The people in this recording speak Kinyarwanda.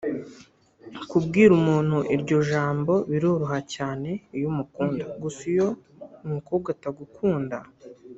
Kubwira umuntu iryo jambo biroroha cyane iyo umukunda gusa iyo umukobwa atagukunda